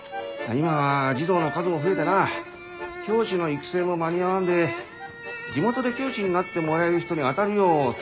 今は児童の数も増えてな教師の育成も間に合わんで地元で教師になってもらえる人に当たるよう通達があっての。